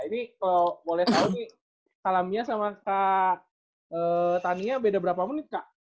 ini kalau boleh tahu nih alamiah sama kak tania beda berapa menit kak